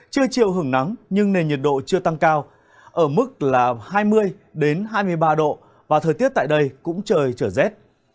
trưa chiều hưởng nắng nhưng nền nhiệt độ chưa tăng cao ở mức là hai mươi hai mươi ba độ và thời tiết tại đây cũng trời trở rét